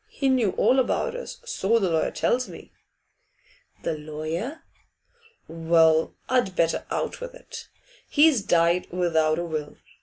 He knew all about us, so the lawyer tells me.' 'The lawyer?' 'Well, I'd better out with it. He's died without a will.